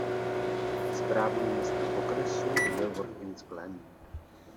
Správním městem okresu je Watkins Glen.